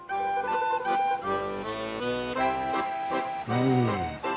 うん。